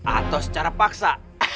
atau secara paksa